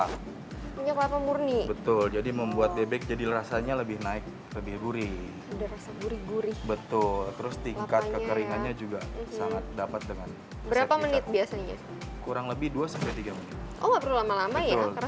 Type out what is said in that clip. minyak lapa murni betul jadi membuat bebek jadi rasanya lebih naik lebih gurih berasa gurih gurih betul terus tingkat kekeringannya juga sangat dapat dengan berapa menit biasanya kurang lebih dua tiga menit oh nggak perlu lama lama ya karena susah ya